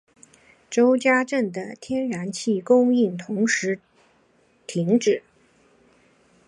周家镇的天然气供应同时停止。